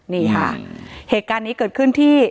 นี่ค่ะเหตุการณ์นี้เกิดขึ้นที่